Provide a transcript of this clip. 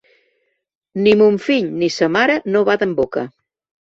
Ni mon fill ni sa mare no baden boca.